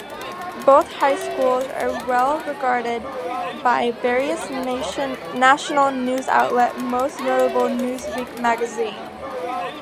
Both high schools are well-regarded by various national news outlets, most notably Newsweek magazine.